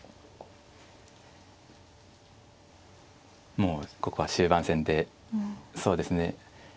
もうここは終盤戦でそうですね